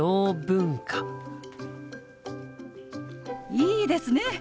いいですね！